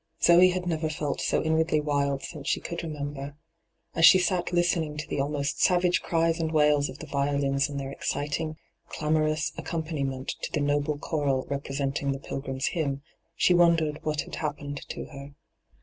Zoe had never felt so inwardly wild since she could remember. As she sat listening to the almost savage cries and wails of the violins in their exciting, clamorous accom paniment to the noble chorale representing the Pilgrims' Hymn, she wondered what had happened to her.